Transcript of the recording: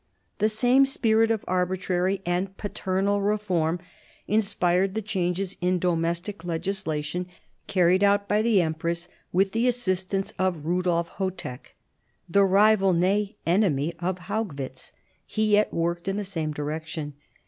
The same spirit of arbitrary and paternal reform inspired the changes in domestic legislation carried out by the ejnpress with the assistance of Eudolf Chotek. The rival, nay, enemy of Haugwitz, he yet worked in the same direction.